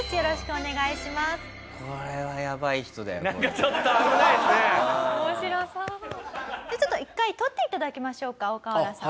ちょっと１回取っていただきましょうかオオカワラさん。